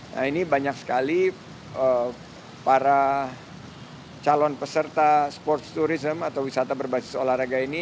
nah ini banyak sekali para calon peserta sports tourism atau wisata berbasis olahraga ini